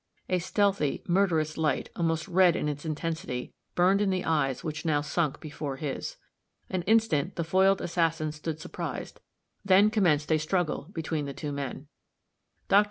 A stealthy, murderous light, almost red in its intensity, burned in the eyes which now sunk before his. An instant the foiled assassin stood surprised; then commenced a struggle between the two men. Dr.